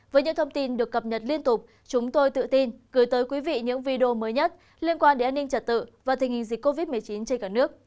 với những thông tin được cập nhật liên tục chúng tôi tự tin gửi tới quý vị những video mới nhất liên quan đến an ninh trật tự và tình hình dịch covid một mươi chín trên cả nước